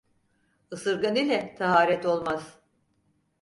Isırgan ile taharet olmaz.